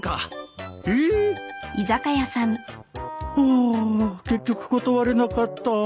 ハァ結局断れなかった